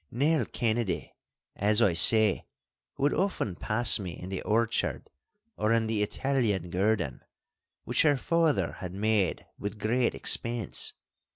Nell Kennedy, as I say, would often pass me in the orchard or in the Italian garden, which her father had made with great expense.